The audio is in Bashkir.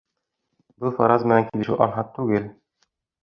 Был фараз менән килешеү анһат түгел.